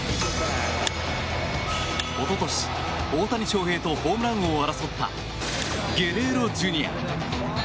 一昨年、大谷翔平とホームラン王を争ったゲレーロＪｒ．。